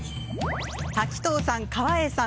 滝藤さん、川栄さん。